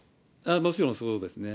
もちろんそうですね。